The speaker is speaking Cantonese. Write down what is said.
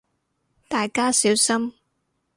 大家小心